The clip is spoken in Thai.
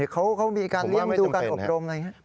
เขามีการเลี้ยงดูการอบรมอะไรอย่างนี้